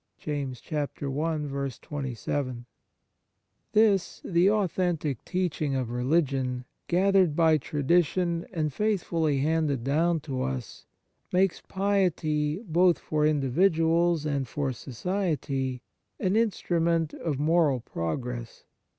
"* This, the authentic teaching of religion, gathered by tradition and faithfully handed down to us, makes piety, both for individuals and for society, an instrument of moral pro gress.